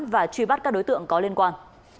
và truy bắt các đối tượng có liên quan